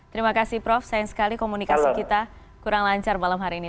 terima kasih prof sayang sekali komunikasi kita kurang lancar malam hari ini